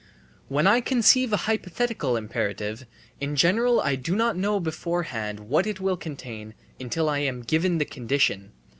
When I conceive a hypothetical imperative, in general I do not know beforehand what it will contain until I am given the condition.